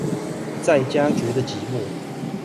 在家覺得寂寞